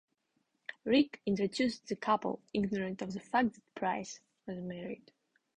Rigg introduced the couple, ignorant of the fact that Price was married.